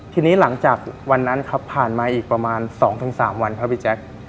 ทีนี้หลังจากวันนั้นครับผ่านมาอีกประมาณ๒๓วันครับพี่แจ๊ค